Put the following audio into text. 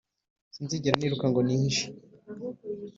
sinzigera niruka ngo nihishe.